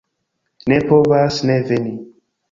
Ne povas ne veni.